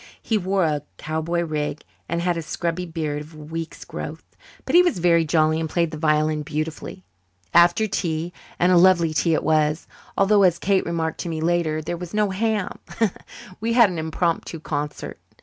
He wore a cowboy rig and had a scrubby beard of a week's growth. But he was very jolly and played the violin beautifully. After tea and a lovely tea it was, although, as Kate remarked to me later, there was no ham we had an impromptu concert. Mr.